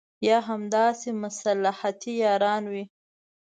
یا همداسې مصلحتي یاران وي.